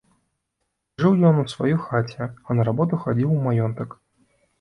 Жыў ён у сваёй хаце, а на работу хадзіў у маёнтак.